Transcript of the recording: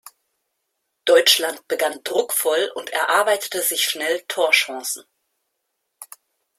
Deutschland begann druckvoll und erarbeitete sich schnell Torchancen.